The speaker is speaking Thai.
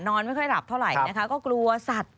นอนไม่ค่อยหลับเท่าไหร่นะคะก็กลัวสัตว์